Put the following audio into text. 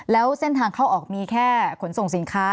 แล้วเส้นทางเข้าออกมีแค่ขนส่งสินค้า